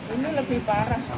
ini lebih parah